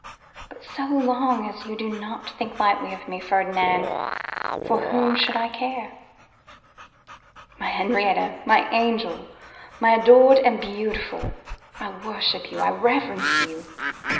But so long as you do not think lightly of me, Ferdinand, for whom should I care?' 'My Henrietta! my angel! my adored and beautiful! I worship you, I reverence you.